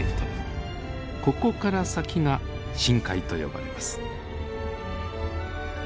ここから先が深海と呼ばれます。